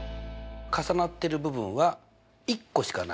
重なってる部分は１個しかない。